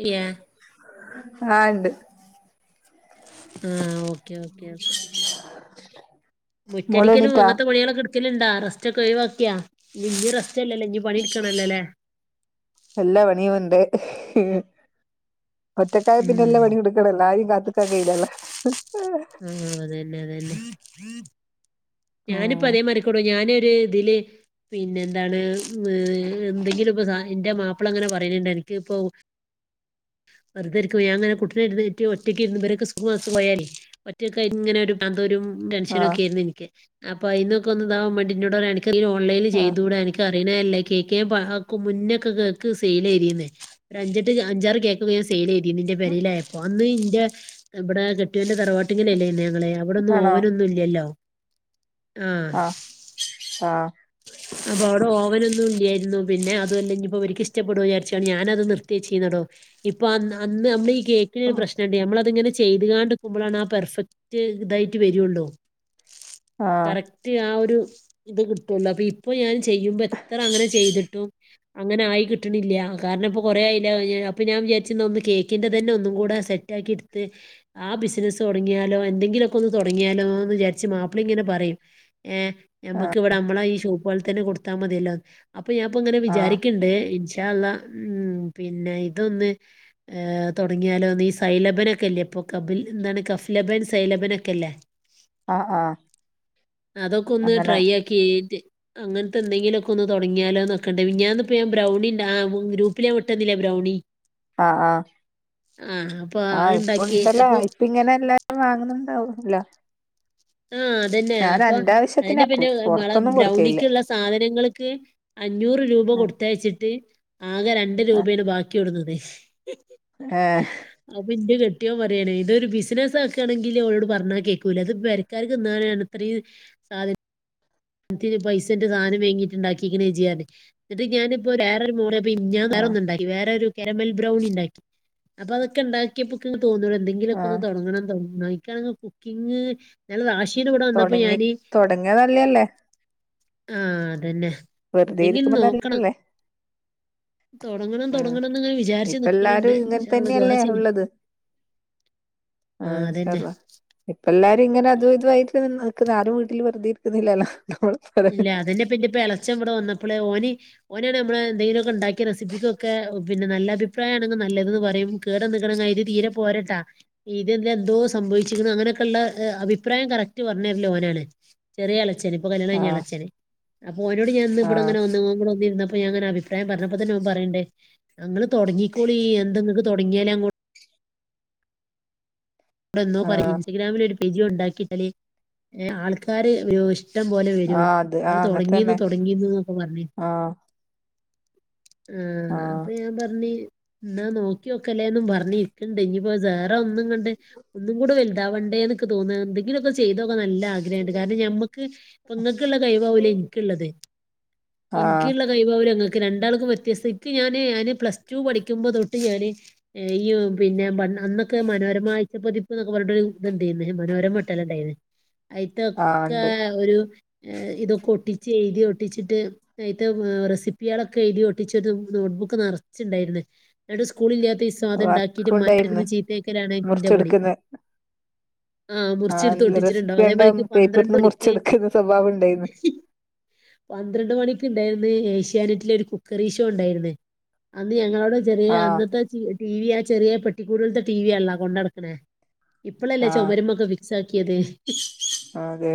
ക്യാ ആഹ് ഉണ്ട് ആഹ് ഓക്കെ ഓക്കെ ഓക്കെ മോള് മുറ്റടിക്കലും എണീറ്റാ അങ്ങനത്തെ പണികളൊക്കെ എടുക്കലുണ്ടാ റസ്റ്റ് ഒക്കെ ഒഴിവാക്കിയാ ഇനി അല്ലല്ലെ ഇനി പണിയെടുക്കണല്ലേ എല്ലാ പണിയും ഉണ്ട് ഒറ്റക്കായ പിന്നെ ഉം എല്ലാ പണിയും എടു തിന്ന ആരെയും കാത്തക്കാല്ലല്ലോ ആഹ് അതെന്നെ അതെന്നെ ഞാനിപ്പോ അതേ മറികെടോ ഞാനൊ ഒരു ഇതില് പിന്നെ എന്താണ് എന്തെങ്കിലും ഇപ്പോ എന്റെ മാപ്പിള അങ്ങനെ പറയണണ്ട് അനക്ക് ഇപ്പോ വെറുതരിക്കും ഞാനങ്ങനെ കുട്ടീനെ ആയിട്ട് ഒറ്റയ്ക്ക് ഇവരൊക്കെ സ്കൂ മദ്രസ് പോയാലേ ഒറ്റക്കെ ഇങ്ങനെ ഒരു ഒരു ആ ടെൻഷനൊക്കെ ആയിരുന്നു എനിക്ക് അപ്പ അയിനൊകെ ഒന്ന് താവാൻ വേണ്ടിന്നോട റിയാണ് ഓൺലൈനിൽ ആ ചെയ്തുടെ അൻക്ക് റിയണല്ലേ കേക്ക് മുന്നൊക്കെ കേക്ക് സെയ്ൽ ചെയ്തിര്ന്ന് അഞ്ച് എട്ട് അഞ്ചാറ് കേക്കുകള് സെയില് ചെയ്തീനി എന്റെ പെരയിലായപ്പം അന്ന് ഇന്റെ ഇവിടെ കെട്ടിയവന്റെ തറവാട്ടിങ്കില്ലേ ഞങ്ങളെ അവിടൊന്നും ആണോ ഓവൻ ഒന്നും ഇല്ലല്ലോ. ആഹ് ആ ആ അപ്പൊ അവിടെ ഓവനൊന്നും ഇല്ലായിരുന്നു. പിന്നെ അത് അല്ലെ ഇപ്പോ ഓരിക്ക് ഇഷ്ടപ്പെടു വിചാരിച്ചാണ് ഞാൻ അത് നിർത്തിവെച്ചിട്ടുന്നടോ. ഇപ്പൊ അന്ന് അന്ന് നമ്മ ബ് ഈ കേക്കിന് ഒരു പ്രശ്നമുണ്ട് നമ്മള തിങ്ങനെ ചെയ്തുകൊണ്ട് നിക്കുമ്പോഴാണ് ആ പെർഫെക്റ്റ് ഇതായിട്ട് വരുള്ളൂ ആ കറക് ആ ഒരു ഇത് കിട്ടുള്ളൂ അപ്പൊ ഇപ്പൊ ഞാൻ ചെയ്യുമ്പോ എത്ര അങ്ങനെ ചെയ്തിട്ടും അങ്ങനെ ആയി കിട്ടണില്ല കാരണം ഇപ്പൊ കൊറേആയില്ലേ അപ്പോ ഞാൻ വിചാരിച്ച് ഒന്ന് കേക്കിൻ്റെ തന്നെ ഒന്നുകൂടെ സെറ്റാക്കി എടുത്ത് ആ ബിസിനസ്സ് തുടങ്ങിയാലോ എന്തെങ്കിലുമൊക്കെ ഒന്ന് തുടങ്ങിയാലോ എന്ന് വിചാരിച്ച് മാപ്പിള ഇങ്ങനെ പറയും ഏഹ് നമ്മക്ക് ഇവിടെ നമ്മളെ ഈ ഷോപ്പുകളിൽ തന്നെ കൊടുത്താ മതിയല്ലോ? അപ്പൊ ഞാൻപ്പൊ ഇങ്ങനെ ആ വിചാരിക്കണ്ട് ഇൻഷാ അള്ളാ ഉം പിന്നെ ഇതൊന്ന് ഏഹ് തുടങ്ങിയാലോന്ന് ഈ സൈലബനൊക്കെ അല്ലേ ഇപ്പൊ കമ്പിനി എന്താണ് കഫലബൻ സൈലബൻ ഒക്കെ അല്ലേ. ആ ആ അതൊക്കെ ഒന്ന് അങ്ങനെ ട്രൈ ആക്കിട്ട് അങ്ങനത്തെ എന്തെങ്കിലുമൊക്കെ ഒന്ന് തുടങ്ങിയാലോന്നൊക്കേണ്ട് ഞാനിപ്പോ ബ്രൗണി ഉണ്ടാ ആ ഗ്രൂപ്പില് ഞാൻ വിട്ടന്നില്ലേ ബ്രൗണി ആഹ് ആഹ് ആ അപ്പൊ ആ ഇപ്പ അതുണ്ടാക്കി ഉണ്ടല്ലോ അപ്പൊ ഇപ്പ ഇങ്ങനെയല്ലേ വാങ്ങുന്നുണ്ടാവുംല്ലോ? ആഹ് അതു തന്നെയ അപ്പൊ എന്റെ അതെ ആവശ്യത്തിനാക്കും പിന്നെ നമ്മടെ പുറത്തൊന്നും കൊടുക്കയില്ല ബ്രൗണിക്കുള്ള സാധനങ്ങൾക്ക് അഞ്ഞൂറ് രൂപ ആ കൊടുത്തയച്ചിട്ട് ആകെ രണ്ട് രൂപയാണ് ബാക്കി കൊടുന്നത്. ഏഹ് അപ്പൊ ഇന്റെ കെട്ടിയോൻ പറയാണ് ഇതൊരു ബിസിനസ് ആക്കാണെങ്കിൽ അവളോട് പറഞ്ഞാ കേക്കൂല അത് തിന്നാനാണ് ഇത്രയും സാധ്യത എന്നിട്ട്പൈസന്റെ സാധനം വാങ്ങിട്ട് ഉണ്ടാക്കിക്ക്ണ് ജ് പറഞ്ഞ് എന്നിട്ട് ഞാനിപ്പം ഒരു വേറെരും മിഞ്ഞാന് ആ വേറൊന്നു ഉണ്ടാക്കി വേറെ ഒരു കാരമൽ ബ്രൗണി ഉണ്ടാക്കി അപ്പൊ അതൊക്കെ ഉണ്ടാക്കി നിക്ക് തോന്നൂ എന്തെിലൊക്കെ ആ ഒന്ന് തുടങ്ങണം തുടങ്ങണമെന്ന്. എനിക്കാണെങ്കിൽ കുക്കിംഗ് ന്നാള് റാശീന്റെ കൂടെ വന്നപ്പോ ഞാന് തുടങ്ങിയാ നല്ലതല്ലേ? ആഹ് അത് തന്നെ വെറുതെ എന്തെങ്കിലും ഇരിക്കുമ്പോ നോക്കണം നല്ലയല്ലേ തൊടങ്ങണം ഉം തൊടങ്ങണം എന്ന് ഇങ്ങനെ വിചാരിച്ച് ഇപ്പൊ നിക്കണുണ്ട്. എല്ലാരും ഇങ്ങനെ പക്ഷെ നിങ്ങള് ദുവാ തന്നെയല്ലേ ചെയ്യ്. ആഹ് ഇൻഷാ അള്ളാ ഇപ്പ എല്ലാരും ഇങ്ങനെ അതു ഇതുവായിട്ട് നിക്കുന്നത് ആരും വീട്ടില് വെറുതെ ഇരിക്കുന്നില്ലല്ലോ നമ്മള് പറ ഇല്ല അതെന്നെ പിന്നെ ഇപ്പം ഇളച്ചൻ ഇവിടെ വന്നപ്പോളേ ഓന് ഓനെയാണ് നമ്മള് എന്തെങ്കുമൊക്കെ ഓൻ നമ്മളെ ഉണ്ടാക്കിയ റെസിപ്പിക്കൊക്കെ പിന്നെ നല്ല അഭിപ്രായമാണെങ്കിൽ നല്ല തെന്ന് പറയും കേട നിക്കണ ഇത് തീരെ പോരാട്ടോ ഇതെന്താ എന്തോ സംഭവിച്ചിരുന്നു അങ്ങനെയൊക്കെയുള്ള അഭിപ്രായം കറക്റ്റ് പറഞ്ഞു തരല് ഓനാണ്. ചെറിയ എളച്ചേന് ഇപ്പ കല്യാണം ആഹ് കഴിഞ്ഞതേഉള്ളുച്ചന് അപ്പൊ ഓനോട് ആഹ് ഇവിടെ വന്നു അപ്പം ഞാങ്ങനെ അഭിപ്രായം പറഞ്ഞപ്പോ തന്നെ അവൻ പറയ്ണ്ട് ഇങ്ങള് തുടങ്ങിക്കോളി എന്താ നിങ്ങൾക്ക് തുടങ്ങിയാല് അങ്ങോട്ട് ഇങ്ങളെന്നോ പറിം ആഹ് ഇൻസ്റ്റാഗ്രാമിൽ ഒരു പേജ് ഉണ്ടാക്കിയിട്ടാല് ആൾക്കാര് ഇഷ്ടം പോലെ വരും ആഹ് അത് ങ്ങള് ആഹ് തുടങ്ങീന്ന് അങ്ങനത്തന്നെ തുടങ്ങീന്ന്ന്നൊക്കെ പറഞ്ഞേ ആഹ് ആഹ് അപ്പൊ ഞാൻ പറഞ്ഞി എന്നാ നോക്കി നോക്കല്ലേന്ന് പറഞ്ഞ് ഇരിക്കുണ്ട് ഇനിപ്പോ വേറെ ഒന്നും കണ്ട് ഒന്നും കൂടെ വലുതാവണ്ടേ എന്നൊക്കെ തോന്നുന്നു എന്തെിലൊക്കെ ചെയ്തോക്കെ നല്ല കാരണം ഞമ്മക്ക് ഇപ്പം ഇങ്ങക്കുള്ള കഴിവാവൂല എനിക്കുള്ളത് ആഹ് എനിക്കു ങ്ങൾക്ക് രണ്ടാൾക്കും വ്യത്യസ്ത ഞാന് ഞാന് പ്ലസ് ടു പഠിക്കുമ്പോ തൊട്ട് ഞാന് യ്യു പിന്നെ അന്നൊക്കെ മനോരമ പച്ചപ്പൊതിപ്പ് എന്നൊക്കെ പറഞ്ഞിട്ട് ഒരു ഇതുണ്ടായിരുന്നു മനോരമ കിട്ടല് ണ്ടാ യിരുന്നു ആഹ് അയിത്തൊക്കെ ഉണ്ട് ഒരു ഇതൊക്കെ ഒട്ടിച്ച് എഴുതി ഒട്ടിച്ചിട്ട് നട്ട റെസിപ്പികളൊക്കെ എഴുതിോട്ടിച്ചരു നോട്ട്ബുക്ക് നിറച്ചിണ്ടായിരുന്നു ഇങ്ങട്ട് സ്കൂള ഇല്ലാത്ത ദിസം അത് ഉണ്ടാക്കിയിട്ട് വർക്കുണ്ടായിരുന്നു ഇമ്മന്റഅടുത്ത്ന് ചീത്തേക്കലാണ് മുറിച്ചെടുക്കുന്ന ആഹ മുറിച്ചെടുത്ത് ആഹ് റെസിപ്പി ഒട്ടിച്ചിട്ടുണ്ടാവും അതേ കണ്ട മതിക്ക് പന്ത്രണ്ട് പേപ്പറിന്ന് മണിക്ക് മുറിച്ചെടുക്കുന്ന സ്വഭാവം ഉണ്ടായിരുന്നു പന്ത്രണ്ട് മണിക്ക് ഉണ്ടായിരുന്നു ഏഷ്യാനെറ്റിലെ ഒരു കുക്കറി ഷോ ഉണ്ടായിരുന്നു അത് ഞങ്ങളോട് ചെറിയ ആഹ് അന്നത്തെ ച ടിവിയ ചെറിയ പെട്ടിക്കൂടുലത്തെ ടിവിയല്ല കൊണ്ട നടക്കണേ ഇപ്പഴല്ലേ ആഹ് ചുമരമൊക്കെ ഫിക്സ് ആക്കിയത് അതെ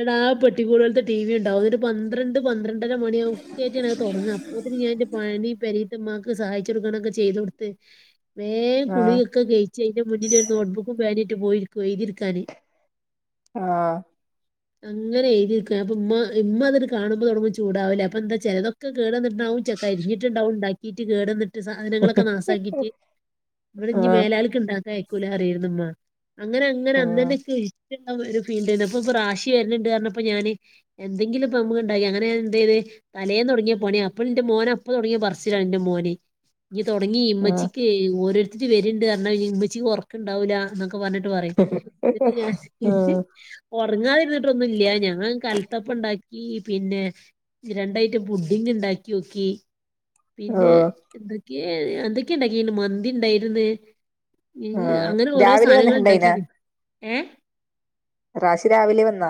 എടാ പെട്ടിക്കൂടുതലത്തെ ടി വി ഉണ്ടാവും പന്ത്രണ്ട് പന്ത്രണ്ട് അണ്ടര മണി ഒക്കെട്ട തുടങ്ങ അപ്പോന് ഞാൻന്റെ പണി പെരീ മാക്ക് സഹായിച്ച കൊടുക്കണൊക്കെ ചെയ്ത കൊടുത്ത് വേൻ ആഹ് കുളിയൊ ക്കെ കഴ ചേന്റെ മുന്നിലെ ഒരു നോട്ട് ബുക്കും പേ നായിട്ട് പോയിരിക്കുവ എഴതിരിക്കാൻ ആഹ അങ്ങനെ എഴുതിരിക്ക അപ്പ ഇമ്മ ഇമ്മ അതിന് കാണുമ്പോൾ തുടങ്ങ ചൂടാവലേ അപ്പൊ എന്താ ചിലത ഒക്കെ കേടന്നിട്ടണ്ടാവും ചെ അരിഞ്ഞിട്ടുണ്ടാവും ഉണ്ടാക്കിട്ട് കേട സാധനങ്ങളൊക്കെ നാസാക്കിയിട്ട് ഇവിടെ ഇ ആഹ് മേലാലക്ക് ഉണ്ടാക്ക അയക്കൂല ന്നറിയായിരുന്നുമ്മ അങ്ങനെ അങ്ങനെ ആഹ് അന്ന തന്നെ ഒക്കെ ഇഷ്ട ഒരു ഫീൽഡ്ന്നപ്പ ഇപ്പൊ പറാശി വരിലുണ്ട് പറഞ്ഞപ്പം ഞാന് എന്തെങ്കിലുംപ്പം നമുക്ക് ഉണ്ടാക്കി അങ്ങനെഞാൻ എന്ത് ചെയത് തലേന് തുടങ്ങിയ പണിയ അപ്പ എന്റെ മോന അപ്പ തുടങ്ങിയ പറിച്ചടാ എന്റെ മോനെ ഇനി തുടങ്ങി ആഹ് ഇമ്മച്ചിക്ക് ഓരോരുത്തര് വരുണ്ട് പറഞ്ഞആൽ ഇമ്മച്ചക്ക് ഉറക്ക ഉണ്ടാവൂല എന്നൊക്കെ പറഞ്ഞിട്ട് പറയും എന്നിട്ട് ഞ ആഹ് ഉറങ്ങാതിരുന്നിട്ടൊന്നുംല്ല ഞാൻ കലുത്തപ്പ ഉണ്ടാക്കി പിന്നെ രണ്ട ഐറ്റം പുുഡിങ് ഉണ്ടാക്കി നോക്കി പിന്നെ ഓഹ് എന്തൊക്കെയ എന്തൊക്കെയ ഇണ്ടാക്കി മന്തി ഉണ്ടായിന്ന് ഇ ആഹ് അങ്ങനെ ഓരോ രാവിലെ സാധനങ്ങൾ വന്നിട്ടുണ്ടായിന ഉണ്ടാക്കി ഏഹ റാശി രാവിലെ വന്നാ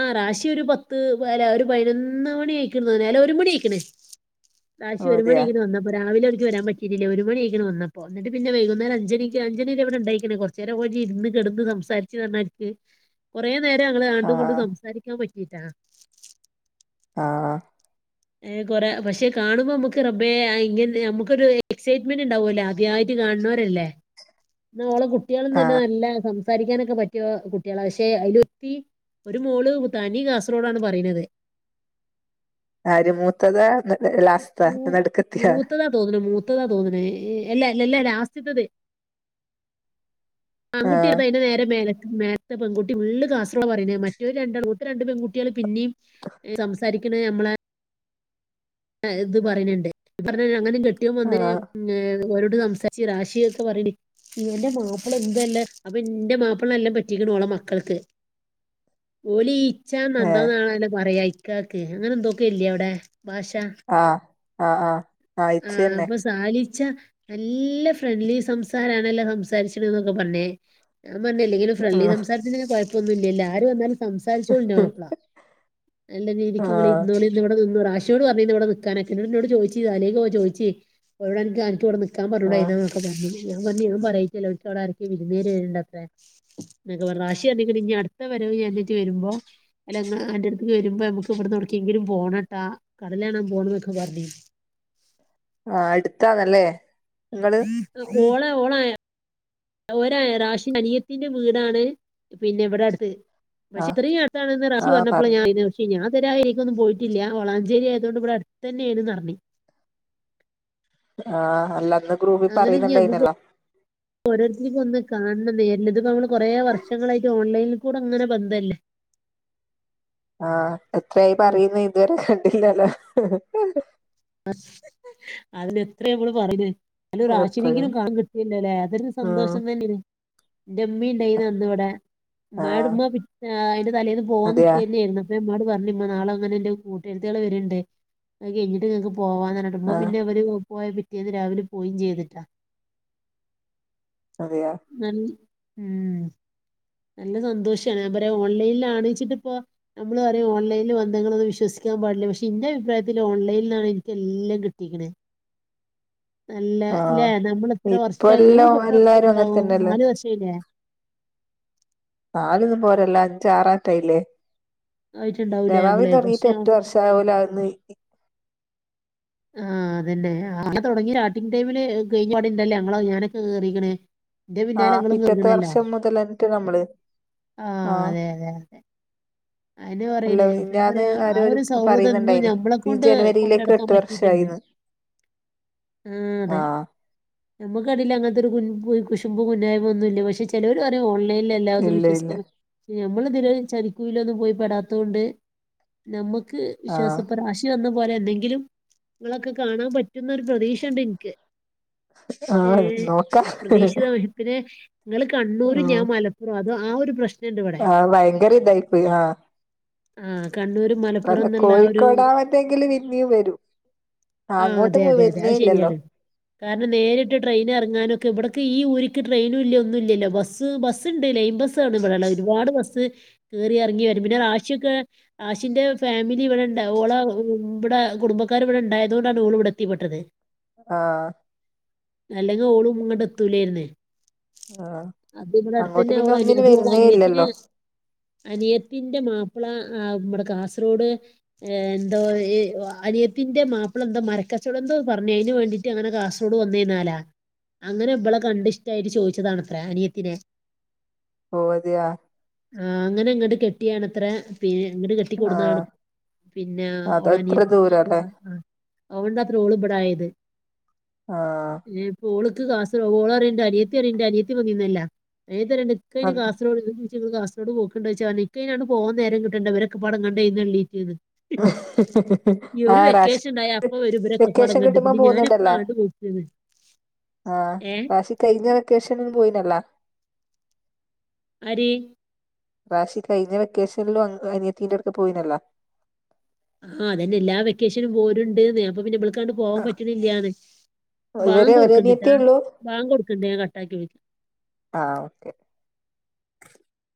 ആ റശി ഒരു പത്ത് അല്ല ഒരു പതിനൊന്ന് മണി ആയിക്കുന്നാല ഒരു മണി അയിക്കണേ റാശി ഓ ഒരു അതെയാ മണിആയിക്ക് വന്ന അപ്പോ രാവില ഓല്ല്ക്ക് വരാൻ പറ്റീ ഇരില്ല ഒരു മണിയ ആക്ക വന്നപ്പോ വിട്ട് പിന്നെ വൈകേരഞ്ണി അഞ്ച്ണ രരെവിടെ ഉണ്ടായിരിക്കണ കുറച്ച നേരംഓഴി ഇരു കിന്ന് സംസാരിു [unintelligible] കൊറെേ നേരംഞ ങ്ങൾ ആഡും ഇങ്ങടും ആഹ് സംസാരിക്കാൻ പറ്റിട്ടാ ആ കൊറെ പക്ഷെ കാണുമ്പോ നമുക്ക് റബ ഇനമുക്കൊരു എക്സൈറ്റ്മെന്റ് ഉണ്ടാവുമല്ല മതിയായിട്ട് കാണണവരല്ലേ എന്ന അവളെ കുട്ടികളും തന്നെ ആഹ് നല്ല സം സംസാരിക്കാനൊക്കെ പറ്റിയോ കുട്ടികള പക്ഷെ അതിലൊത്തി ഒരു മോള് തനി കാസർഗോഡ ആണ് പറി ണത് ആരിമൂത്തതാ ലാസ്റ്റ് തൊ ന്നടുക്കത്തിയ തോന്ന മൂത്തതാ തോന്നുന്നത്ല്ലല്ല ലാസ്റ്റ് ത്തത് ആൺകുട്ടി എ ആഹ് അതിന് നേരെ മേലക് മേ ത്തെ പെൺകുട്ടി ഫുൾ കാസർഗോള പറിന്നേ മറ്റൊരു രണ്ട ഒട്ടത്തെ രണ്ട് പെകുട്ടികള് പിന്നെയും സംസാരിക്കണ നമ്മള ഇത് പറയണ്ട് പറഞ്ഞ അങ്ങനെ കിട്ടിയ വന്ന് ആഹ് ഓരോട് സംസാരിച്ചു രാശിയൊക്കെ പറയ ഇന്റെ മാപ്പിള ഇന്റല്ലേ അപ്പ ഇന്റെ മാപ്പിളനെ നല്ലോ പറ്റിക്കന് ഓള മക്കൾക്ക്. ഓലി ഇ ച്ച ഏഹ് എന്തോന്നാണോലോ പറയാ ഇക്കാക്ക് അങ്ങനെ എന്തൊക്കെ ഇല്ലേ അവിടെ ഭാഷ ആഹ് ആഹ് ആഹ് ആ ഇച്ച തന്നെ സാലിച്ച നല്ല ഫ്രണ്ട്ലി സംസാരാണല്ലോ സംസാരിച്ചിണ എന്നൊക്കെ പറഞ്ഞേ ഞാ പറഞ്ഞേില്ലെങ്കിൽ ഒരു ഫ്രണ്ട്ലി ആഹ് സംസാരത്തിന് കുഴപ്പൊന്ന ഇല്ല ആര് വന്നാലും സംസാരിചോൽ ണ്ടി മാപ്ല നല്ല രീതിക്ക് ആഹ് ഇരിനോളി ഇന്നവിടെ നിന്നോ റാഷിയോട് പറ ഇനോട് ചോയ്ച്ചി തലേനൊക്കെചോയ് ച്ചി എവുടെ നിക്കാനൊക്കെ കാ പറൂ ആഹ് [unintelligible] ആരൊക്കെ വിരുന്നേര് ഇണ്ടത്രേ. റാഷിറഞ്ഞിക്കണ് ഇഞ് അടുത്ത വരവ അന്നേറ്റ് വരുമ്പോ അല്ല ഇങ്ങ എന്റെ അടുത്ത് വരുമ്പോ ഞമക്ക് ഇവിടുന്നു എവിടേക്കെങ്കിലും പോണോട്ടാ കടല് കാണാൻ പോണോന്നൊക്കെ പറഞ്ഞി ആഹ് എ ടുത്താന്നല്ലേ? ഓളെ ഓളാ ഒരേ റാഷിന്റെ അനിയത്തിന്റെ വീടാണ് പിന്നെ എവിടെ അടുത്ത് പക്ഷെ ആഹ് ഇത്രയും അടുത്തണ് റാശി ആഹ് പറഞ്ഞപ്പോളാ ഞാൻ പറഞ്ഞു അറിയുന്നത് പക്ഷെ ഞാൻതൊരായ്ക്കൊന്നും പോയിട്ടില്ല്യ. വളാഞ്ചേരി ആയതോണ്ട് ഇവിടെ അടുത്തന്നെ [unintelligible] ആഹ് ന്ന് ഗ്രൂപ്പിൽ പറയുന്ന്ണ്ടിണല്ലോ. ഓരോരുത്തരിക്ക് ഒന്ന് കന്നനന്നർന്നു. ഇതിപ്പോ മ്മൾ കൊറേ വർഷങ്ങളായിട്ട് ഓൺലൈനിൽ കൂടെങ്ങനെ ബന്ധല്ലേ? ആഹ് എത്രയി ഓ പറയ്ന്ന് ഇതുവരെ ഹ് ണ്ടില്ലല്ലോ ഹി അയിന് എത്രമ്മള്പ്പ പറയിന്. ന്നാലും എപ്പഴും രാശിനെങ്കിലുംകാണാൻ കിട്ടിയല്ലല്ലേ അതൊരു ഉം സന്തോഷം തന്നെനു. ന്റെ മ്മീ ണ്ടായിന്ന് അന്ന് വിടെ ആഹ് ഇമ്മാട്ന്ന് അയിന്റെ തലേന്ന് പോവാൻ അതെയാ നീക്കെർന്നു. ഞാൻ മ്മാട് പറഞ്ഞ് മ്മ നാളെ ഇങ്ങനെ ന്റെ കൂട്ടുകാര്ത്തിയാൾ വേര്ണ്ട് അത് കഴിഞ്ഞിട്ട് ങ്ങക്ക് പോവാന നുമ്മ ആഹ് പിന്നെ അവര് പോയ പിറ്റേന്ന് രാവിലെ പോയ്യിം ചെയ്തിട്ടാ. അതെയാ. [unintelligible] ഉം. നല്ല സന്തോഷാണ് ഞാൻ ബറ ഓൺലൈനിള്ളനീചിട്ടിപ്പോ - നമ്മള് പറിയും ഓൺലൈനില് വന്ന്ക്കണത് വിശ്വസിക്കാൻ പാടില്ല പക്ഷെ ഇന്റെ അഭിപ്രായത്തില് ഓൺലൈൻലാണ് ഇനിക്കെല്ലാം കിട്ടീക്ണേ. [inaudible] അല്ല ല്ലെ ആഹ് നമ്മൾ എത്ര ഇപ്പ വർഷായി എല്ലാം നമ്മളിപ്പോ എത്ര വർഷാ എല്ലാരും അങ്ങനെ തന്നെയല്ലേ യിട്ടുണ്ടാവുംനാല് വർഷായിലെ? നാലന്നും പോരല്ലോ അഞ്ചാആറാറ്റായില്ലേ ആയിട്ടുണ്ടാവൂലേ നവാവിൻ നമ്മള് താെടങ്ങീട്ട് പക്ഷെ എട്ടു വർഷ്- [unintelligible] ആ അതന്നെ അങ്ങനെ തുടങ്ങി [unintelligible] ടൈമില് കഴിഞ്ഞ പാട്ണ്ടല്ലേ ഞാനൊക്കെ കേറിക്കന്ന്. ന്റെ പിന്നാല ആഹ് ങ്ങളും പിറ്റത്തെ വർഷം [unintelligible] മുതലന്നിട്ട് നമ്മള് ആഹ് അതെ അതെ അതെ. [inaudible] അയന്നെ അല്ല പറയണേ. അപ്പം ഞാൻ മിഞ്ഞാന്ന് പറയാ ആരോ ഒരു സൗഹൃദം ഇന്നും പറയുന്നുണ്ടായിനി ഈ ഞമ്മളെക്കൊണ്ട് ജനുവരിയിലേക്ക് കൊണ്ടെട്ക്കാൻ എട്ട് പറ്റിട്ട്ണ്ട്. വർഷായിന്ന് ആഹ് അതെ. ഞമ്മക്ക്തിൽ അങ്ങത്തെ ഒരു കു കുശും്പ് കുുന്നായ്മ ഒന്നുമ ഇല്ല പക്ഷെ ചേലോരെ പറയും ഓൺലൈനിലല്ലേ അതൊന്നു ഇല്ല ഇല്ല വിശ്വസിക്കാൻ പറ്റൂല നമ്മള് ഇതിലൊന്നും ചതിക്കൂല പോയിപ്പെടാത്തൊണ്ട് നമുക്ക് ആഹ് വിശ്വാസപ്പെ ആശ ജ് വന്ന പോലെ എന്നെങ്കിലും ങ്ങളൊക്കെ കാണാൻ പറ്റുന്നൊ ഒരു പ്രതീക്ഷയുണ്ട് നന്ക്ക്. ആഹ് ഉം നോക്കാം അപ്രതീക്ഷിത മ പിന്നെ ങ്ങള് കണ്ണൂരും ഉം ഞാൻ മലപ്പുറം അത് ആ ഒരു പ്രശ്നണ്ട് ഇവി ആ വയങ്കര ഇതായി പോയി ആഹ്. ആഹ് കണ്ണൂരും മലപ്പുറം അല്ല എന്നുള്ള ആ ഒരു കോഴിക്കോടാവത്തെങ്കില് പിന്നിം വരും. ആ അങ്ങോട്ട് അതെ പ്പൊ അതെ അതെ വരുന്നേ അത് ശരിയാണ് ഇല്ലല്ലോ. കാരണം നേരിട്ട് ട്രയിൻ റങ്ങാനൊക്കെ ഇവിടക്ക് ഈ ഊരിക്ക് ട്രെയിനും ല്ല ഒന്നും ഇല്ല ല്ലോ ബസ്ണ്ട്ലൈൻ ബസ് വിടെള്ള ഒരുപാട് ബസ് കേറിറങ്ങി വരും പിന്നെ റാഷിക്കേ ആഷിന്റെ ഫാമിലി ഇവിടെണ്ട് ഓള ഇവടെ കുടുംബക്കാർ ഇവിടെ ഉണ്ടായതൊണ്ടണ് ഓൾ ഇവിടെ എത്തിപ്പെട്ടത്. ആഹ് അല്ലെങ്കിഓളും ഇങ്ങട്ട് എത്തൂലേ ർന്നു. ആഹ് അത്‌വിടെ അങ്ങോട്ട് അടുത്തന്നെ പിന്നെ ഓളെ അനി ഒന്നിനും [unintelligible] ഓളെ വരുന്നേ അനിയത്തിനാ..... ഇല്ലല്ലോ അനിയ ന്റെ മാപ്പിള ആ മ്മടെ കാസർഗോഡ് ഏ എന്തോ അനിയത്തിന്റെ മാപ്പിള എന്തോ മരക്കചോടാം എന്തോ പറഞ്ഞയ്ന് വേണ്ടിട്ട് ട്ടിങ്ങനെ കാസർറോഡ് വന്നേന്നാലാ. അങ്ങനെ ഇബാലളെ കണ്ടിഷ്ടായിട്ട് ചോദിച്ചതാണത്ര അനിയത്തിനെ. ഓ അതെയാ. ആഹ് അങ്ങെനെ ഇങ്ങട്ട് കെട്ടിയാണ്ത്ര പിന് ഇങ്ങ്ട് കെ ട്ടി ആഹ് കൊട്ന്നാണ്. പിന്നെ അതോ ഓളനിയ ഇത്ര ദൂരല്ലേ [unintelligible] അതോണ്ടാത്രെ ഓള്ബടായത്. ആഹ. ഏപ്പ ഓള്ക്ക് ക്ലാസ് ഓള റീണ്ട് അനിയത്തിറീണ്ട് അനിയത്തി പോന്നിരിന്നല്ലൊ. ഏതര [unintelligible] [unintelligible] ങ്ങള് ക്ലാസൊ ണ്ട് പോക്ക്ണ്ടോയ്ച്ചാല് ഇൻക്ക് അയിന് അട്ട് പോവാൻ നേരം കിട്ടണ്ടേ. ഇവരൊക്കെപാടെ ഇങ്ങണ്ട് എഴുന്നള്ളീറ്റ്ന്ന്. [inaudible] ആ ഇവരു റാഷി വെക്കേഷൻണ്ടായ അപ്പ വരും വെക്കേഷൻ ഇവരൊക്കെപാടേങ്ങട്ട്. കിട്ടുമ്പോ പിന്നെ ഞാനെപ്പള പോകുന്നുണ്ടല്ലോ ആണ്ട് പോ [unintelligible] ആ. കാശി കഴിഞ്ഞ വെക്കേഷനൊന്നും പോയില്ലല്ലോ. ആര്? റാശി കഴിഞ്ഞ വെക്കേഷനിലും അ അനിയത്തിന്റെറട്ത്ത് പോയിനല്ലോ. ആഹ. അതന്നെ എല്ലാ വെക്കേഷനും പോവു [unintelligible] ണ്ട്ന്ന്. അപ്പം പിന്നെ ബ്ള് ക്കാണ്ട് പോവാൻ പറ്റണില്ലാന്ന്. ഇവരെ ബാങ്ക് ഒരു കൊടുക്ക്ണ്ടിട്ടാ. അനിയത്തിയേ ഉള്ളൂ ബാങ്ക് കൊടുക്ണ്ട് ഞാൻ കട്ടാക്കി വിളി ആ. ഓക്കെ.